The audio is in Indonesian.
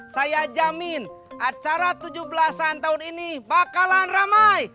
saya jamin acara tujuh belas an tahun ini bakalan ramai